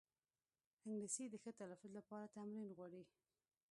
انګلیسي د ښه تلفظ لپاره تمرین غواړي